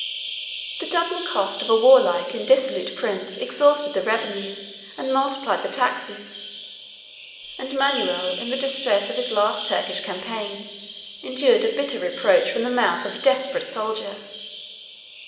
The double cost of a warlike and dissolute prince exhausted the revenue, and multiplied the taxes; and Manuel, in the distress of his last Turkish campaign, endured a bitter reproach from the mouth of a desperate soldier.